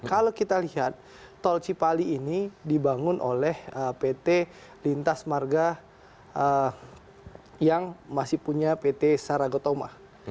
kalau kita lihat tol cipali ini dibangun oleh pt lintas marga yang masih punya pt saragotoma